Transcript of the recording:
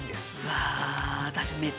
うわあ。